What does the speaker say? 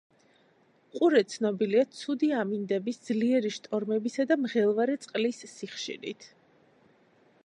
ყურე ცნობილია ცუდი ამინდების, ძლიერი შტორმებისა და მღელვარე წყლის სიხშირით.